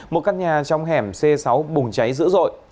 một căn nhà trong hẻm c sáu bùng cháy dữ dội